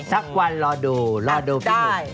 สักวันรอดูรอดูพี่หนุ่ม